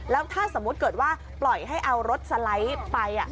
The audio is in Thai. แล้วถ้าสมมุติเกิดว่าปล่อยให้เอารถสไลด์ไป